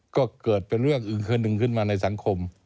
ก็เกิดเป็นเรื่องอึงคนหนึ่งขึ้นมาในสังคม